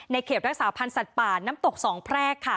เขตรักษาพันธ์สัตว์ป่าน้ำตกสองแพรกค่ะ